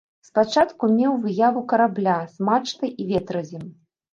Спачатку меў выяву карабля з мачтай і ветразем.